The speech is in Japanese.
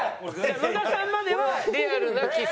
野田さんまではリアルなキス？